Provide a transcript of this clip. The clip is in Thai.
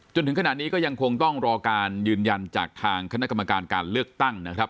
จนถึงขณะนี้ก็ยังคงต้องรอการยืนยันจากทางคณะกรรมการการเลือกตั้งนะครับ